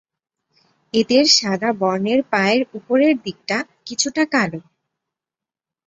এদের সাদা বর্ণের পায়ের উপরের দিকটা কিছুটা কালো।